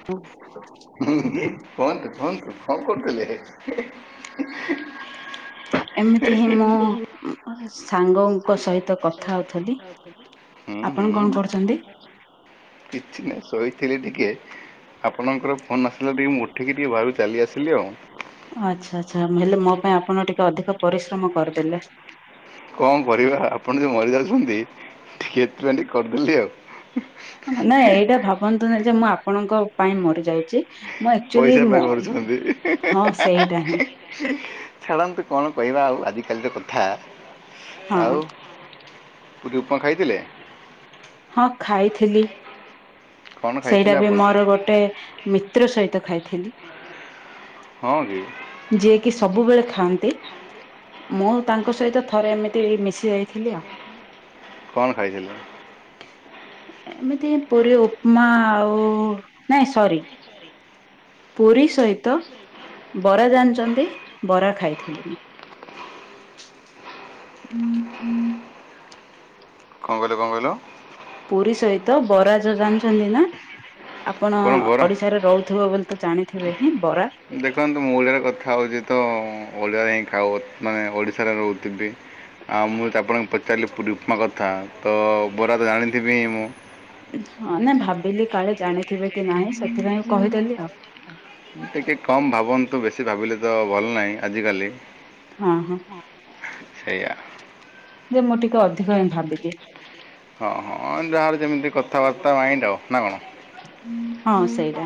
[inaudible] କୁହନ୍ତୁ କୁହନ୍ତୁ କଣ କରୁଥିଲେ? ଏମିତି ହିଁ ମୁଁ ସାଙ୍ଗଙ୍କ ସହିତ କଥା ହଉଥିଲି। ହୁଁ ଆପଣ ହୁଁ କଣ କରୁଛନ୍ତି? କିଛି ନାହିଁ ଶୋଇଥିଲି ଟିକେ। ଆପଣଙ୍କର ଫୋନ୍ ଆସିଲା ଟିକେ ମୁଁ ଉଠିକି ଟିକେ ବାହାରୁ ଚାଲି ଆସିଲି ଆଉ। ଆଚ୍ଛା ଆଚ୍ଛା ହେଲେ ମୋ ପାଇଁ ଆପଣ ଟିକେ ଅଧିକ ପରିଶ୍ରମ କରିଦେଲେ। କଣ କରିବା ଆପଣ ଯୋଉ ମରି ଯାଉଛନ୍ତି ଟିକେ ଏଥିପାଇଁ ଟିକେ କରିଦେଲି ଆଉ। ନାାଇଁ ଏଇଟା ଭାବନ୍ତୁନି ଯେ ମୁଁ ଆପଣଙ୍କ ପାଇଁ ମରି ଯାଉଚି। ପଇସା ପାଇଁ ମରୁଛନ୍ତି। ହଁ ସେଇଟା ହିଁ ଛାଡ଼ନ୍ତୁ କଣ କହିବା ଆଉ ଆଜିକାଲିର କଥା। ହଁ ଆଉ ପୁରି ଉପମା ଖାଇଥିଲେ? ହଁ ଖାଇଥିଲି। କ'ଣ ସେଇଟା ଖାଇଥିଲେ ବି ଆପଣ ମୋର ଗୋଟେ ମିତ୍ର ସହିତ ଖାଇଥିଲି। ହଁ କି? ଯିଏ କିି ସବୁବେଳେ ଖାଆନ୍ତି। ମୁଁ ତାଙ୍କ ସହିତ ଥରେ ଏମିତି ମିଶି ଯାଇଥିଲି ଆଉ। କଣ ଖାଇଥିଲେ? ଏମିତି ପୁରୀ ଉପମା ଆଉ ନାଇଁ ସରି। ପୁରି ସହିତ ବରା ଜାଣିଚନ୍ତି, ବରା ଖାଇଥିଲି ମୁଁ। [inaudible] କଣ କହିଲ କଣ କହିଲ? ପୁରି ସହିତ ବରା ଯୋଉ ଜାଣିଛନ୍ତି ନା? ଆପଣ କ'ଣ ବରା ଓଡିଶାରେ ରହୁଥିବ ବୋଲି ତ ଜାଣିଥିବେ ହିଁ ବରା। ଦେଖନ୍ତୁ ମୁଁ ଓଡ଼ିଆରେ କଥା ହଉଚି ତ ଓଡ଼ିଆରେ ହିଁ ଖାଉ ମାନେ ଓଡ଼ିଶାରେ ରହୁଥିବି। ଆଉ ମୁଁ ଆପଣଙ୍କୁ ପଚାରିଲି ପୁରି ଉପମା କଥା ତ ବରା ତ ଜାଣିଥିବି ମୁଁ। ହଁ ନା ଭାବିଲି କାଳେ ଜାଣିଥିବେ କି ନାହିଁ ସେଥିପାଇଁ କହିଦେଲି ଆଉ। ଟିକେ କମ୍ ଭାବନ୍ତୁ ବେଶୀ ଭାବିଲେ ତ ଭଲ ନାହିଁ ଆଜିକାଲି। ହଁ, ହଁ। ସେଇଆ। ଯେ ମୁଁ ଟିକେ ଅଧିକ ହିଁ ଭାବିଦିଏ। ହଁ, ହଁ ଯାହାର ଯେମିତି କଥାବାର୍ତ୍ତା ମାଇଣ୍ଡ୍ ଆଉ ନା କଣ? ହଁ [unintelligible] ସେଇଟା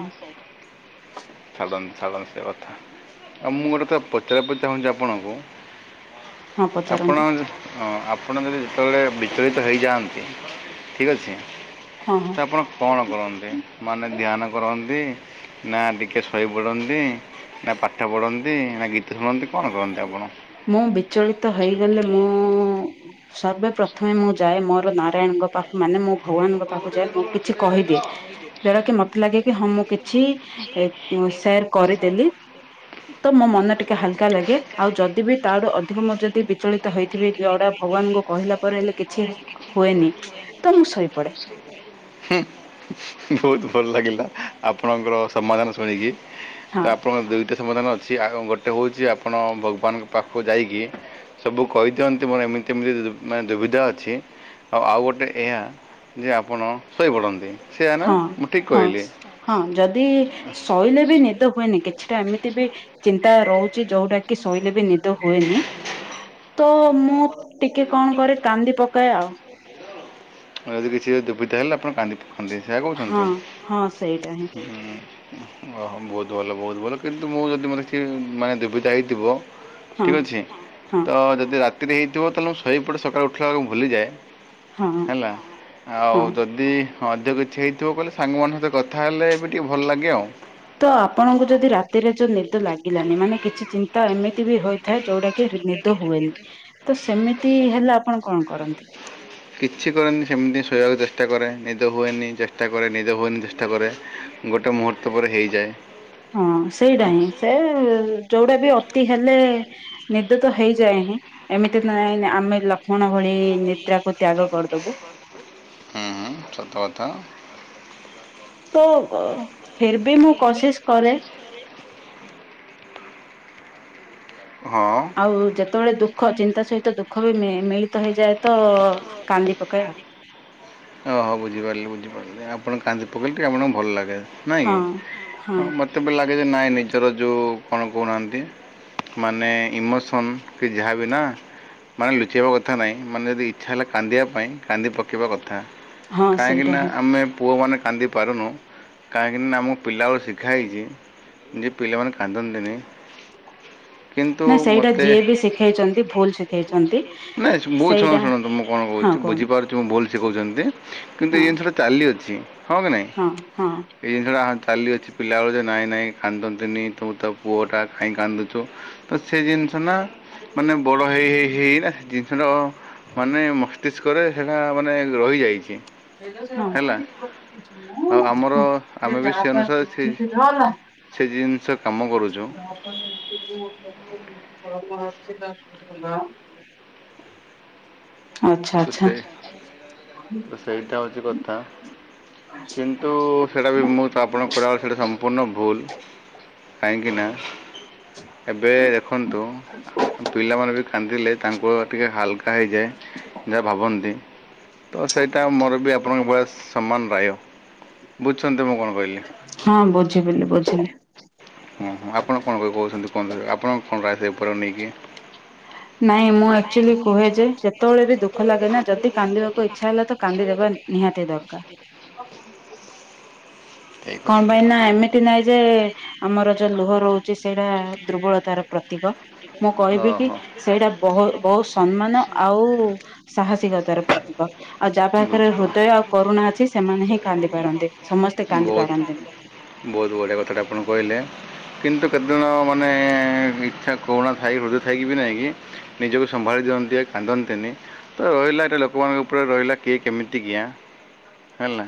ଛାଡ଼ନ୍ତୁ ଛାଡ଼ନ୍ତୁ ସେ କଥା। ଆଉ ମୁଁ ଗୋଟେ କଥା ପଚାରି ବାକୁ ଚାହୁଁଚି ଆପଣଙ୍କୁ। ହଁ ଆପଣ ପଚାରନ୍ତୁ ଯ-ଅଁ, ଆପଣ ଯଦି ଯେତେବେଳେ ବିଚଳିତ ହୋଇଯାଆନ୍ ଠିକ୍ ଅଛି, ହଁ ତ ହଁ ଆପଣ କଣ କରନ୍ତି ମାନେ ଧ୍ୟାନ କରନ୍ତି, ନା ଟିକେ ଶୋଇପଡ଼ନ୍ତି? ନା ପାଠ ପଢନ୍ତି ନା ଗୀତ ଶୁଣନ୍ତି କଣ କରନ୍ତି ଆପଣ? ମୁଁ ବିଚଳିତ ହେଇଗଲେ ମୁଁ ସର୍ବେ ପ୍ରଥମେ ମୁଁ ଯାଏ ମୋର ନାରାୟଣଙ୍କ ପାଖକୁ ମାନେ ମୋ ଭଗବାନଙ୍କ ପାଖକୁ ଯାଏ ମୁଁ କିଛି କହିଦିଏ। ଯୋଉଟା କି ମୋତେ ଲାଗେ କି ହଁ ମୁଁ କିଛି ଏ ଉଁ, ଶେୟାର୍ କରିଦେଲି। ତ ମୋ ମନ ଟିକେ ହାଲକା ଲାଗେ, ଆଉ ଯଦି ବିି ତା ଆଡୁ ଅଧିକ ମୁଁ ଯଦି ବିଚଳିତ ହେଇଥିବି ଯୋଉଟା ଭଗବାନଙ୍କୁ କହିଲା ପରେ ହେଲେ କିଛି ହୁଏନି ତ ମୁଁ ଶୋଇପଡ଼େ। ବହୁତ ଭଲ ଲାଗିଲା ଆପଣଙ୍କର ସମାଧାନ ଶୁଣିକି ତ ହଁ ଆପଣ ଗୋଟେ ସମାଧାନ ଅଛି ଆଉ ଗୋଟେ ହେଉଛି ଆପଣ ଭଗବାନଙ୍କ ପାଖକୁ ଯାଇକି ସବୁ କହି ଦିଅନ୍ତି ମୋର ଏମିତି ଏମିତି ମାନେ ଦୁବିଧା ଅଛି। ହ ଆଉ ଗୋଟେ ଏହା ଯେ ଆପଣ ଶୋଇପଡ଼ନ୍ତି ସେଆ ନା ହଁ ମୁଁ ଠିକ୍ ହଁ କହିଲି। ହଁ ଯଦି ଶୋଇଲେ ବି ନିଦ ହୁଏନି କିଛିଟା ଏମିତି ବି ଚିନ୍ତା ରହୁଛି ଯୋଉଟା କି ଶୋଇଲେ ବି ନିଦ ହୁଏନି। ତ ମୁଁ ଟିକେ କଣ କରେ କାନ୍ଦି ପକାଏ ଆଉ। ଯଦି କିଛି ଦୁବିଧା ହେଲେ ଆପଣ କାନ୍ଦି ପକାନ୍ତି ସେୟା କହୁଛନ୍ତି। ହଁ ହଁ ସେଇଟା ହିଁ ଓହୋ ବହୁତ ଭଲ ବହୁତ ଭଲ କିନ୍ତୁ ମୁଁ ଯଦି ମୋତେ କିଏ ମାନେ ଦୁବିତା ହେଇଥିବ ହଁ ଠିକ ଅଛି ହଁ ତ ଯଦି ରାତିରେ ହେଇଥିବ ତାହେଲେ ମୁଁ ଶୋଇପଟେ ସକାଳୁ ଉଠିଲା ବେଳକୁ ଭୁଲିଯାଏ। ହଁ ହେଲା ହଁ ଆଉ ଯଦି ହଁ ଅଧିକ କିଛି ହେଇଥିବ କହିଲେ ସାଙ୍ଗମାନଙ୍କ ସହିତ କଥା ହେଲେ ଏବେ ଟିକେ ଭଲ ଲାଗେ ଆଉ। ତ ଆପଣଙ୍କୁ ଯଦି ରାତିରେ ଯୋଉ ନିଦ ଲାଗିଲାନି ମାନେ କିଛି ଚିନ୍ତା ଏମିତି ବି ହୋଇଥାଏ ଯୋଉଟା କି ନିଦ ହୁଏନି ତ ସେମିତି ହେଲା ଆପଣ କଣ କରନ୍ତି? କିଛି କରେନି ସେମିତି ଶୋଇବାକୁ ଚେଷ୍ଟା କରେ ନିଦ ହୁଏନି ଚେଷ୍ଟା କରେ ନିଦ ହୁଏନି ଚେଷ୍ଟା କରେ। ଗୋଟେ ମୁହୂର୍ତ୍ତ ପରେ ହେଇଯାଏ। ହଁ ସେଇଟା ହିଁ ସେ ଯୋଉଟା ବି ଅତି ହେଲେ ନିଦ ତ ହେଇଯାଏ ହିଁ। ଏମିତି ତ ନାଇଁ ଆମେ ଲକ୍ଷ୍ମଣ ଭଳି ନିଦ୍ରାକୁ ତ୍ୟାଗ କରିଦବୁ। ହୁଁ ସତ କଥା ଆଉ। ତ ଫର ବି ମୁଁ କଶିସ କରେ। ହଁ। ଆଉ ଯେତେବେଳେ ଦୁଃଖ ଚିନ୍ତା ସହିତ ଦୁଃଖ ବି ମି ମିଳିତ ହେଇଯାଏ ତ କାନ୍ଦି ପକାଏ। ଓହୋ ବୁଝିପାରିଲେ ବୁଝିପାରିଲି ଆପଣ କାନ୍ଦି ପକେଇଲେ ଟିକେ ଆପଣଙ୍କୁ ଭଲ ଲାଗେ। ନାଇଁ ହଁ କି ହଁ ମତେ ବି ଲାଗେ ଯେ ନାଇଁ ନିଜର ଯୋଉ କଣ କହୁନାହାନ୍ତି ମାନେ ଇମୋସନ୍ କି ଯାହା ବିନା ମାନେ ଲୁଚେଇଆବା କଥା ନାହିଁ ମାନେ ଯଦି ଇଚ୍ଛା ହେଲା କାନ୍ଦିବା ପାଇଁ କାନ୍ଦି ପକାଇବା କଥା। ହଁ ସେଇଟା କାହିଁକିନା ହିଁ। ଆମେ ପୁଅମାନେ କାନ୍ଦି ପାରୁନୁ କାହିଁକି ନା ଆମକୁ ପିଲାବେ ଶିଖା ହେଇଛି। ଯେ ପିଲାମାନେ କାନ୍ଦନ୍ତିନି। କିନ୍ତୁ ନା ସେଇଟା ମୋତେ ଯିଏ ବି ଶିଖେଇଛନ୍ତି ଭୁଲ ଶି ନାଇଁ ବୁ ଶୁଣ ଶୁଣନ୍ତୁ ମୁଁ କଣ ହଁ କହୁଛି କୁହନ୍ତୁ ବୁଝିପାରୁ ତୁ ଭୁଲ ଶିକଉଛନ୍ତି କିନ୍ତୁ ଏଇ ହଁ ଜିନିଷ ଟା ଚାଲି ଅଛି ହଁ କି ନାଇଁ? ହଁ ହଁ ଏଇ ଜିନିଷଟା ଚାଲିଅଛି ପିଲାବେଳୁ ଯେ ନାଇଁ ନାଇଁ କାନ୍ଦନ୍ତିନି ତୁ ତ ପୁଅଟା କାଇଁ କାନ୍ଦୁଛୁ। ତ ସେ ଜିନିଷ ନା ମାନେ ବଡ଼ ହେଇ ହେଇ ହେଇନା ସେ ଜିନିଷଟ କ ମାନେ ମଷ୍ଟ ପ୍ରକ୍ଟିସ୍ କରେ ସେଇଟା ମାନେ ରହିଯାଇଛି। ହେଲା ଆଉ ଆମର ଆମେ ବି ସେ ଅନୁସାରେ ସେ [unintelligible] ସେ ଜିନିଷ କାମ କରୁଛୁ ନାପ [unintelligible] ସବୁର ଥିଲା [unintelligible] ଆଚ୍ଛା ତ ଆଚ୍ଛା। ସେ ତ ସେଇଟା ହେଉଛି କଥା କିନ୍ତୁ ସେଇଟା ବି ମୁଁ ତ ଆପଣଙ୍କ କରିବା ସେଇଟା ସମ୍ପୂର୍ଣ୍ଣ ଭୁଲ କାହିଁକିନା ଏବେ ଦେଖନ୍ ତୁ ପିଲାମାନେ ବି କାନ୍ଦିଲେ ତାଙ୍କୁ ଟିକେ ହାଲକା ହେଇଯାଏ। ଯାହା ଭାବନ୍ତି ତ ସେଇଟା ମୋର ବି ଆପଣଙ୍କ ବୟସ ସମାନ ନ ବୁଝୁଚନ୍ତି ମୁଁ କଣ କହିଲି? ହଁ ବୁଝିପିଲି ବୁଝିଲି। ହଁ ହଁ ଆପଣ କଣ କ କହୁଛନ୍ତି କୁହନ୍ତୁ ଆପଣଙ୍କ କଣ ରାୟ ଥାଏ ଉପରେ ନେଇକି? ନାଇଁ ମୁଁ ଆଚୁଆଲି କୁହେ ଯେ ସେତେବେଳେ ବି ଦୁଃଖ ଲାଗେ ନା ଯଦି କାନ୍ଦିବାକୁ ଇଚ୍ଛା ହେଲା ତ କାନ୍ଦିଦେବା ନିହାତି ଦରକାର। [unintelligible] ଠିକ୍ କଣ ଅଛି ପାଇଁ ଠିକ୍ ନା ଅଛି ଏମିତି ନାଇଁ ଯେ ଆମର ଯୋଉ ଲୁହ ରହୁଛି ସେଇଟା ଦ୍ରୁବଳତାର ପ୍ରତୀକ। ମୁଁ କହିବି କି ଓହୋ ସେଇଟା ବହୁ ବହୁତ ସମ୍ମାନ ଆଉ ସାହାସିକତା ର ପ୍ରତୀକ। ଆଉ ଯାହା ପାଖରେ ବୁଝିପାରୁ ହୃଦୟ ଆଉ କରୁଣା ଅଛି ସେମାନେ ହିଁ କାନ୍ଦିପାରନ୍ତି ସମସ୍ତେ କାନ୍ଦି ବହୁତ ପାରନ୍ତିନି। ବହୁତ ବଢ଼ିଆ କଥାଟା ଆପଣ କହିଲେ। କିନ୍ତୁ କେତେଜଣ ମାନେ ଇଚ୍ଛା କରୁଣା ଥାଇ ହୃଦୟ ଥାଇକି ବି ନାଇଁ କି ନିଜକୁ ସମ୍ଭାଳି ଦିଅନ୍ତି କାନ୍ଦନ୍ତିନି ତ ରହିଲା ଏଇଟା ଲୋକମାନଙ୍କ ଉପରେ ରହିଲା କିଏ କେମିତି କିଆଁ ହେଲା।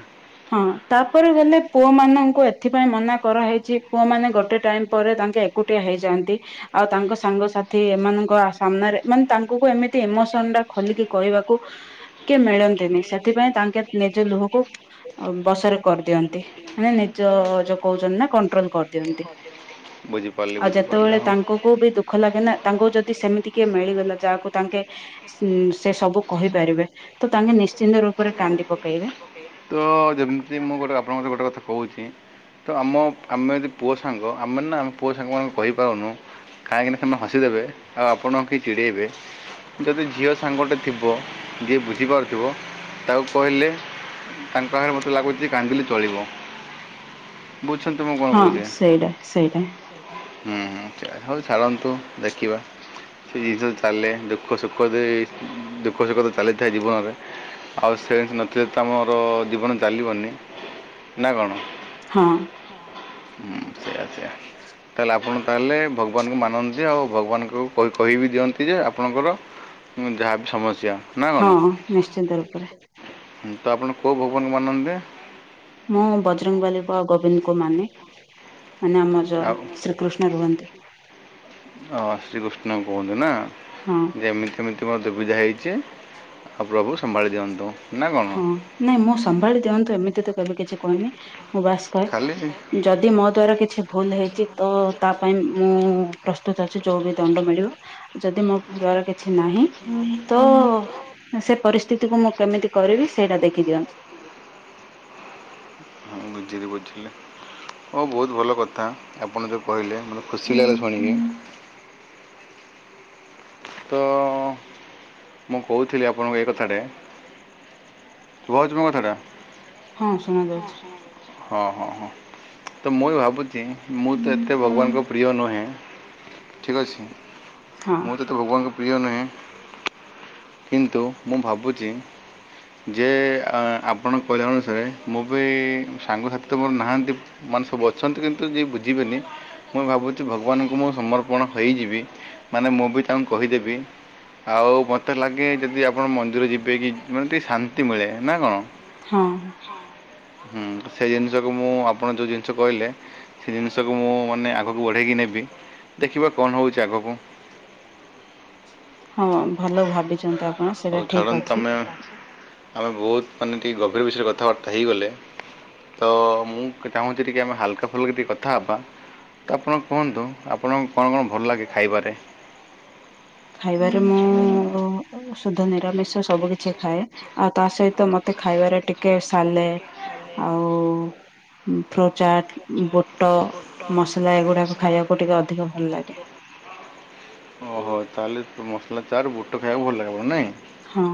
ହଁ ତାପରେ ଗଲେ ପୁଅ ମାନଙ୍କୁ ଏଥିପାଇଁ ମନା କରାହେଇଚି ପୁଅ ମାନେ ଗୋଟେ ଟାଇମ ପରେ ତାଙ୍କେ କୁଟିଆ ହେଇଯାଆନ୍ତି। ଆଉ ତାଙ୍କ ସାଙ୍ଗସାଥି ଏମାନଙ୍କ ସାମ୍ନାରେ ମାନେ ତାଙ୍କୁ କ ଏମିତି ଇମୋସନ ଟା ଖୋଲିକି କହିବାକୁ କିଏ ମିଳନ୍ତିନି ସେଥିପାଇଁ ତାଙ୍କେ ନିଜ ଲୁହକୁ ଅ ବସରେ କରିଦିଅନ୍ତି। ମାନେ ନିଜ ଯୋଉ କହୁଚନ୍ତି ନା କଣ୍ଟ୍ରୋଲ କରିଦିଅନ୍ତି ବୁଝିପାରିଲି ଆଉ ବୁଝିପାରିଲି ଯେତେବେଳେ ହଁ ତାଙ୍କୁକୁ ବି ଦୁଃ ଖ ଲାଗେ ନା ତାଙ୍କୁ ଯଦି ସେମିତି କିଏ ମିଳିଗଲା ଯାହାକୁ ତାଙ୍କେ ଉ ସେ ସବୁ କହିପାରିବେ ତ ତାଙ୍କେ ନିଶ୍ଚିନ୍ତ ରୂପରେ କାନ୍ଦି ପକେଇବେ। ତ ଯେମିତି ମୁଁ ଗୋଟେ ଆପଣଙ୍କର ଗୋଟେ କଥା କହୁଚି ତ ଆମ ଆମେ ଯଦି ପୁଅ ସାଙ୍ଗ ଆମେ ନା ଆମ ପୁଅ ସାଙ୍ଗମାନଙ୍କୁ କହିପାରୁନୁ କାଇଁକିନାି ସେମାନେ ହସିଦେବେ ଆଉ ଆପଣ କେ ଚିଡ଼େଇବେ। ଯଦି ଝିଅ ସାଙ୍ଗଟେ ଥିବ ଯିଏ ବୁଝିପାରୁଥିବ ତାକୁ କହିଲେ ତାଙ୍କ ପାଖରେ ମତେ ଲାଗୁଚି କାନ୍ଦିଲି ଚଳିବ। ବୁଝୁଚନ୍ତିୁ ମୁଁ କଣ ହଁ କହୁଚି? ସେଇଟା ସେଇଟା ହୁଁ ହଉ ଛାଡ଼ନ୍ତୁ ଦେଖିବା। ସେ ଜିନିଷ ଚାଲେ ଦୁଃଖ ସୁଖ ଦୁଃଖ ସୁଖ ତ ଚାଲିଥାଏ ଜୀବନରେ। ଆଉ ସେ ନଚେ ତ ଆମୋର ଜୀବନ ଚାଲିବନି ନା କଣ? ହଁ। ହୁଁ ସେଇଆ ସେଆ। ତାହେଲେ ଆପଣ ତାହେଲେ ଭଗବାନଙ୍କୁ ମାନନ୍ତି ଆଉ ଭଗବାନଙ୍କୁ କହିବି ଦିଅନ୍ତି ଯେ ଆପଣଙ୍କର ହୁଁ ଯାହାବି ସମସ୍ୟା। ନା କ'ଣ ହଁ ହୁଁ, ନିଶ୍ଚିନ୍ତ ରୂପରେ। ତ ଆପଣ କେଉଁ ଭଗବାନ ମାନନ୍ତି? ମୁଁ ବଜରଙ୍ଗବାଲିକୁୁ ଗୋବିନ୍ଦ କୁ ମାନେ। ମାନେ ଆମ ଯ ଆଉ ଶ୍ରୀକୃଷ୍ଣ ରୁହନ୍ତି। ହଁ ଶ୍ରୀକୃଷ୍ଣ କୁହନ୍ତୁ ନା। ହଁ। ଯେ ଏମିତି ଏମିତି ମୋର ଦୁବିଧା ହେଇଚି ଆଉ ପ୍ରଭୁ ସମ୍ଭାଳି ଦିଅନ୍ତୁ। ନା କ'ଣ ହଁ ନାଇଁ ମୁଁ ସମ୍ଭାଳି ଦିଅନ୍ତୁ ଏମିତି ତ କେବେ କିଛି କହିନି ମୁଁ ବାସ କହେ ଖାଲି ହଁ ଯଦି ମୋ ଦ୍ଵାରା କିଛି ଭୁଲ ହେଇଚି ତ ତା ପାଇଁ ମୁଁ ପ୍ରସ୍ତୁତ ଅଛି ଯୋଉ ବି ଦଣ୍ଡ ମିଳିବ। ଯଦି ମୋ ଦ୍ଵାରା କିଛି ନାହିଁ ତ ସେ ପରିସ୍ଥିତିକୁ ମୁଁ କେମିତି କରିବି ସେଇଟା ଦେଖିଦିଅନ୍ତୁ। ହଁ ବୁଝିଲି ବୁଝିଲି ହଉ ବହୁତ ଭଲ କଥା। ଆପଣ ଯୋଉ କହିଲେ ମତେ ଖୁସି ଲାଗିଲା ଶୁଣିକି। ତ ମୁଁ କହୁଥିଲି ଆପଣଙ୍କୁ ଏ କଥାଟେ [unintelligible] ହୁ ଜମଙ୍ଗ ରା? ହଁ ଶୁଣା ଯାଉଛି। ହଁ ହଁ ହଁ ତ ମୁଇ ଭାବୁଛି ମୁଁ ତ ଏତେ ଭଗବାନଙ୍କ ପ୍ରିୟ ନୁହେଁ ଠିକ୍ ଅଛି ହଁ ମୁଁ ତତେ ଭଗବାନଙ୍କ ପ୍ରିୟ ନୁହେଁ। କିନ୍ତୁ ମୁଁ ଭାବୁଛି ଯେ ଆପଣଙ୍କ କହିଲା ଅନୁସାରେ ମୁଁ ବି ସାଙ୍ଗସାଥି ତ ମୋର ନାହାନ୍ତି ମାନେ ସବୁ ଅଛନ୍ତି କିନ୍ତୁ ଯିଏ ବୁଝିବେନି। ମୁଁ ଭାବୁଛି ଭଗବାନଙ୍କୁ ମୁଁ ସମର୍ପଣ ହେଇଯିବି। ମାନେ ମୁଁ ବି ତାଙ୍କୁ କହିଦେବି ଆଉ ମୋତେ ଲାଗେ ଯଦି ଆପଣ ମ ଯିବେ କି ମାନେ ଟିକେ ଶାନ୍ତି ମିଳେ ନା କଣ? ହଁ ହୁଁ ସେଇ ଜିନିଷକୁ ମୁଁ ଆପଣ ଯୋଉ ଜିନିଷ କହିଲେ ସେ ଜିନିଷକୁ ମୁଁ ମାନେ ଆଗକୁ ବଢ଼େଇକି ନେବି ଦେଖିବା କଣ ହଉଛି ଆଗକୁ। ହଁ ଭଲ ଭାବିଛନ୍ତି ଆଣ ଆଉ ଛାଡନ୍ତୁ ତମେ ଆମେ ବହୁତ ମାନେ ଟିକେ ଗଭୀର ବିଷୟରେ କଥାବାର୍ତ୍ତା ହେଇଗଲେ। ତ ମୁଁ ଚାହୁଁଛି ଟିକେ ଆମେ ହାଲକା ଫୁଲକା ଟିକେ କଥା ହେବା। ତ ଆପଣ କୁହନ୍ତୁ ଆପଣଙ୍କୁ କଣ କଣ ଭଲ ଲାଗେ ଖାଇବାରେ? ଖାଇବାରେ ମୁଁ ଶୁଦ୍ଧ ନିରାମିଷ ସବୁ କିଛି ଖାଏ। ଆଉ ତା ସହିତ ମତେ ଖାଇବାରେ ଟିକେ ସାଲେଡ ଆଉ ପ୍ରଚାଟ ଗ ଗତ ମସମରେ ଟିକେ ଅଧିକ ଭଲ ଲାଗେ [inaudible] ଓହୋ ତାହେଲେ ମସଲା ଚାରେ ବୁଟ ଖାଇବାକୁ ଭଲ ଲାଗିବ ନାଇଁ? ହଁ।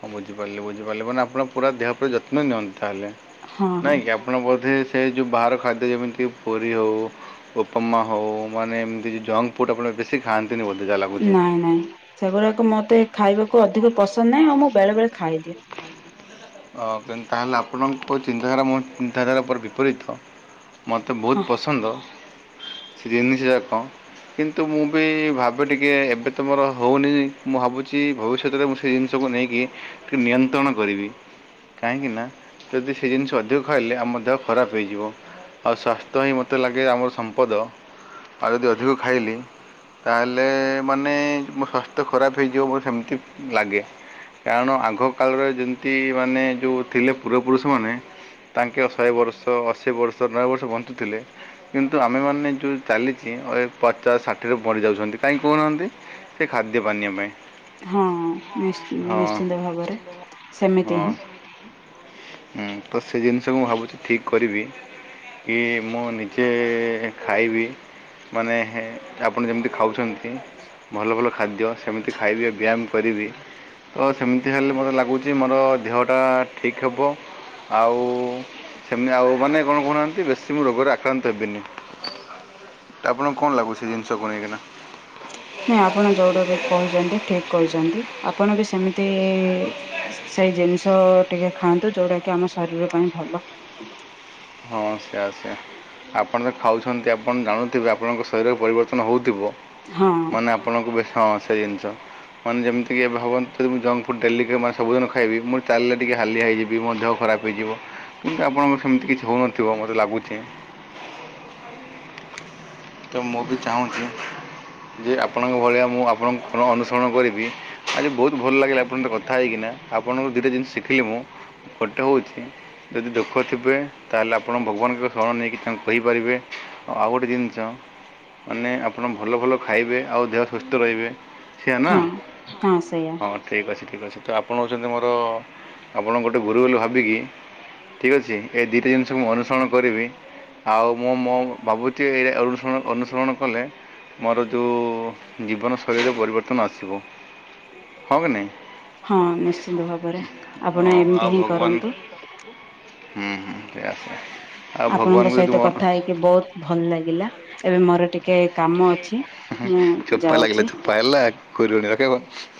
ହଁ ବୁଝିପାରିଲେ ବୁଝିପାରିଲେ ମାନ ଆପଣ ପୁରା ଦେହ ପୁରା ଯତ୍ନ ନିଅନ୍ତ ତାହାେଲେ? ହଁ ନାଇଁ ହଁ କିି ଆପଣ ବୋଧେ ସେ ଯୋଉ ବାହାର ଖାଦ୍ୟ ଯେମିତି ପୁରୀ ହଉ ଉପପମା ହଉ ମାନେ ଏମିତି ଜଙ୍କ ଫୁଡ଼୍ ଆପଣ ବେଶୀ ଖାନ୍ତିିନି ବୋଧେ। ଯାହା ଲାଗୁଛି। ନାଇଁ ନାଇଁ ସେଗୁଡାକ ମତେ ଖାଇବାକୁ ଅଧିକ ପସନ୍ଦ ନାହିଁ। ଆଉ ମୁଁ ବେଳେ ବେଳେ ଖାଇଦିଏ। ହ, ତାହେଲେ ଆପଣଙ୍କ ଚିନ୍ତାଧାରା ମୋ ଚିନ୍ତାଧାରା ପୁରା ବିପରୀତ। ମୋତେ ହଁ ବହୁତ ପସନ୍ଦ। ସେ ଜିନିଷ ଯାକ। କିନ୍ତୁ ମୁଁ ବି ଭାବେ ଟିକେଏ ଏବେ ତ ମୋର ହେଉନି। ମୁଁ ଭାବୁଛି ଭବିଷ୍ୟତରେ ମୁଁ ସେ ଜିନିଷ ସବୁ ନେଇକି ଟିକେ ନିୟନ୍ତ୍ରଣ କରିବି। କାହିଁକିନା ଯଦି ସେ ଜିନିଷ ଅଧିକ ଖାଇଲେ ଆମ ଦେହ ଖରାପ ହେଇଯିବ। ଆଉ ସ୍ୱାସ୍ଥ୍ୟ ହିଁ ମୋତେ ଲାଗେ ଆମର ସମ୍ପଦ। ଆଉ ଯଦି ଅଧିକ ଖାଇଲି ତାହେଲେ ମାନେ ମୋ ସ୍ୱାସ୍ଥ୍ୟ ଖରାପ ହେଇଯିବ ମୋତେ ସେମିତି ଲାଗେ। କାରଣ ଆଗ କାଳରେ ଯେମତି ମାନେ ଯୋଉ ଥିଲେ ପୂର୍ବ ପୁରୁଷ ମାନେ ତାଙ୍କେ ଶହେ ବର୍ଷ, ଅଶୀ ବର୍ଷ, ନବେ ବର୍ଷ ବଞ୍ଚୁଥିଲେ। କିନ୍ତୁ ଆମେମାନେ ଯେଉଁ ଚାଳିଶି, ପଚାଶ, ଷାଠିଏ ରୁ ମରିଯାଉଛନ୍ତି। କାହିଁକି କହୁନାହାନ୍ତି? ସେ ଖାଦ୍ୟ ପାନୀୟ ପାଇଁ। ହଁ ନିଶି ହଁ ନିଶ୍ଚିନ୍ତ ଭାବରେ। ସେମିତି ହଁ ହିଁ ମୁତ ସେଇ ଜିନିଷକୁ ମୁଁ ଭାବୁଛି ଠିକ୍ କରିବି। କି ମୁଁ ନିଜେ ଖାଇବି ମାନେ ଆପଣ ଯେମିତି ଖାଉଛନ୍ତି। ଭଲ ଭଲ ଖାଦ୍ୟ ସେମିତି ଖାଇବି ଆଉ ବ୍ୟାୟାମ କରିବି। ଓ ସେମିତି ହେଲେ ମତେ ଲାଗୁଚିମ ନଅଟା ଠିକ୍ ହେବ। ଆଉ ସେମିତି ଆଉ ମାନେ କଣ କହୁନାହାନ୍ତି ବେଶୀ ମୁଁ ରୋଗରେ ଆକ୍ରାନ୍ତ ହେବିନି। ଆପଣଙ୍କୁ କଣ ଲାଗୁଛି? ଜିନିଷକୁ ନେଇକିନା। ନାଇଁ ଆପଣ ଯୋଉଟା ବି କହିଚନ୍ତି ଠିକ୍ କହିଚନ୍ତି। ଆପଣ ବି ସେମିତି ସେଇ ଜିନିଷ ଟିକିଏ ଖାଆନ୍ତୁ। ଯୋଉଟା କି ଆମ ଶରୀର ପାଇଁ ଭଲ। ହଁ ସେୟା ସେୟା। ଆପଣ ତ ଖାଉଛନ୍ତି। ଆପଣ ଜାଣୁଥିବେ ଆପଣଙ୍କ ଶରୀରରେ ପରିବର୍ତ୍ତନ ହୋଉଥିବ। ହଁ ମାନେଆ ଆପଣଙ୍କୁ ବେଶି ହଁ ସେଇ ଜିନିଷ ମାନେ ଯେମିତିି ଏ ଭାବନ୍ତି ମୁଁ ଜଙ୍କଫୂଡ଼ ଡେଲି ସବୁଦିନ ଖାଇବି। ଚାଲିଲେ ଟିକିଏ ହାଲିଆ ହେଇଯିବି। ମୋ ଦେହ ଖରାପ ହୋଇଯିବ। କିନ୍ତୁ ଆପଣଙ୍କ ସେମିତି କିଛି ହୋଉନଥିବ ମୋତେ ଲାଗୁଚି। ତ ମୁଁ ବି ଚାହୁଁଚି। ଯେ ଆପଣଙ୍କ ଭଳିଆ ମୁଁ ଆପଣଙ୍କ ଗୁଣ ଅନୁସରଣ କରିବି। ଆଜି ବହୁତ୍ ଭଲ ଲାଗିଲା ଆପଣଙ୍କ ସହିତ କଥା ହେଇକିନା। ଆପଣଙ୍କଠୁ ଦୁଇଟା ଜିନିଷ ଶିଖିଲି ମୁଁ। ଗୋଟେ ହୋଉଚି ଯଦି ଦୁଃଖ ଥିବେ ତାହେଲେ ଆପଣ ଭଗବାନଙ୍କ ଶରଣ ନେଇକି ତାଙ୍କୁ କହି ପାରିବେ। ଆଉ ଗୋଟେ ଜିନିଷ ମାନେ ଆପଣ ଭଲ ଭଲ ଖାଇବେ। ଆଉ ଦେହ ସୁସ୍ଥ ରହିବେ। ସେଇଆ ନା ହଁ ହଁ ସେଇଆ ହଁ ଠିକ୍ ଅଛି ଠିକ୍ ଅଛି। ତ ଆପଣ ହୋଉଚନ୍ତି ମୋର ଆପଣଙ୍କୁ ଗୋଟେ ଗୁରୁ ବୋଲି ଭାବିକି ଠିକ୍ ଅଛି। ଏ ଦିଟା ଜିନିଷମୁଁ ଅନୁସରଣ କରିବି। ଆଉ ମୁଁ ମୋ ଭାବୁଚି ଏଇ ଅନୁସରଣ କଲେ। ମୋର ଯୋଉଁ ଜୀବନଶୈଳୀରେ ପରିବର୍ତ୍ତନ ଆସିବ। ହଁ କି ନାହିଁ? ହଁ ନିଶ୍ଚିନ୍ତ ଭାବରେ। ଆପଣ ହଁ ଆଉ ଏମିତି ହିଁ ଭଗବାନ କରନ୍ତୁ। ହୁଁ ହୁଁ ସେଇଆା ସେଇଆ। ଆଉ ଆପଣଙ୍କ ଭଗବାନଙ୍କୁ ସହିତ ଯଦି ମନ କଥା ହେଇକି ବହୁତ ଭଲ ଲାଗିଲା। ଏବେ ମୋର ଟିକିଏ କାମ ଅଛି। ମୁଁ ଚୋପା ଯାଉଚି। [inaudible]